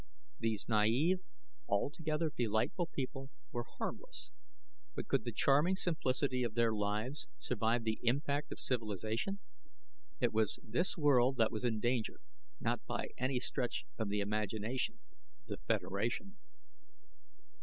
These naive, altogether delightful people were harmless. But could the charming simplicity of their lives survive the impact of civilization? It was this world that was in danger, not by any stretch of the imagination the Federation.